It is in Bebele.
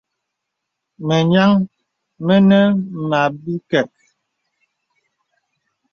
Mə nyāŋ mə nə mə̀ àbìkək.